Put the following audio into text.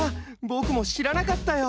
ぼくもしらなかったよ。